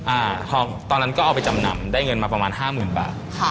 อ่าทองตอนนั้นก็เอาไปจำนำได้เงินมาประมาณ๕๐๐๐๐บาท